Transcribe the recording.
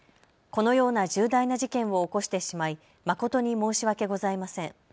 このような重大な事件を起こしてしまい誠に申し訳ございません。